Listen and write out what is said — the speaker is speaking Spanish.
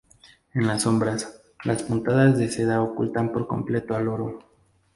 En las sombras, las puntadas de seda ocultan por completo al oro.